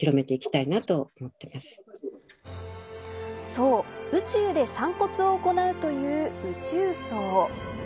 そう、宇宙で散骨を行うという宇宙葬。